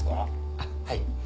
あっはい。